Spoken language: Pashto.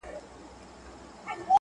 راسه قباله يې درله در کړمه.